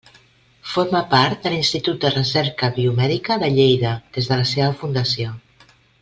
Forma part de l'Institut de Recerca Biomèdica de Lleida des de la seva fundació.